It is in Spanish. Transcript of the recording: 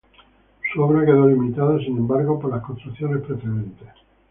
Su obra quedó limitada, sin embargo, por las construcciones precedentes.